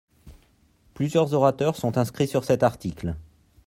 Plusieurs orateurs sont inscrits sur cet article.